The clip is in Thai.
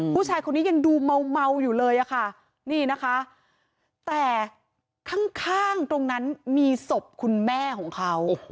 ผู้ชายคนนี้ยังดูเมาอยู่เลยอะค่ะนี่นะคะแต่ข้างตรงนั้นมีศพคุณแม่ของเขา